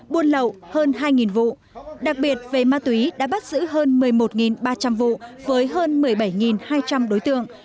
buôn lậu hơn hai vụ đặc biệt về ma túy đã bắt giữ hơn một mươi một ba trăm linh vụ với hơn một mươi bảy hai trăm linh đối tượng